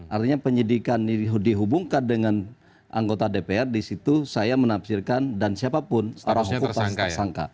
artinya penyidikan ini dihubungkan dengan anggota dpr di situ saya menafsirkan dan siapapun orang hukum pasti tersangka